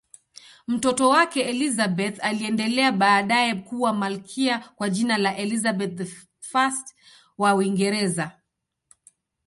Mtoto wake Elizabeth aliendelea baadaye kuwa malkia kwa jina la Elizabeth I wa Uingereza.